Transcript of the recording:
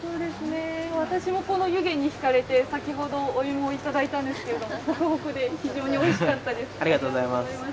私もこの湯気に引かれて、先ほどお芋をいただいたんですがほくほくで非常においしかったです。